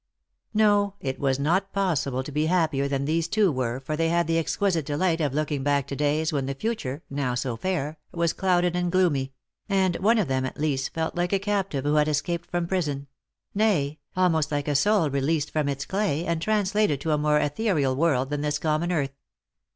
No, it was not possible to be happier than these two were, for they had the exquisite delight of looking back to days when the future, now so fair, was clouded and gloomy ; and one of them, at least, felt like a captive who had escaped from prison ; nay, almost like a soul released from its clay, and translated to a more ethereal world than this common earth.